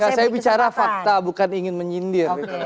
enggak saya bicara fakta bukan ingin menyindir